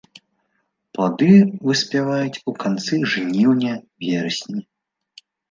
Плады выспяваюць у канцы жніўня-верасні.